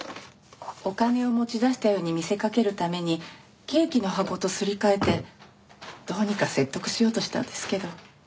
お金を持ち出したように見せかけるためにケーキの箱とすり替えてどうにか説得しようとしたんですけど。